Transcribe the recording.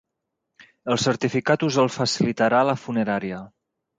El certificat us el facilitarà la funerària.